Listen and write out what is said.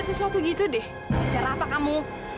sesuatu gitu deh cara apa kamu